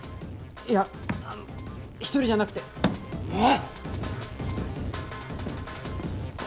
いやあの１人じゃなくてもう！